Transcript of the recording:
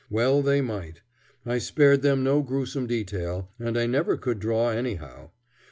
Well they might. I spared them no gruesome detail, and I never could draw, anyhow.